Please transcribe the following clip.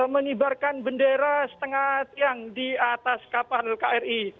menibarkan bendera setengah yang di atas kapal kri